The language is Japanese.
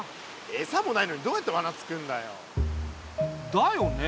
エサもないのにどうやってわなつくるんだよ。だよね。